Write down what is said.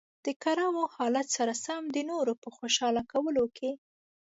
د کړاو حالت سره سره د نورو په خوشاله کولو کې.